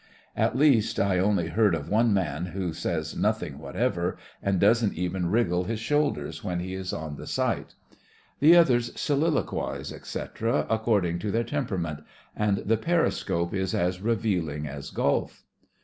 At least, I only heard of one man who says nothing what ever, and doesn't even wriggle his shoulders when he is on the sight. The others soliloquize, etc., accord THE FRINGES OF THE FLEET 67 ing to their temperament; and the periscope is as revealing as golf.